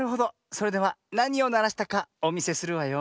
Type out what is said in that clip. それではなにをならしたかおみせするわよ。